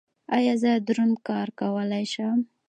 ایا زه دروند کار کولی شم؟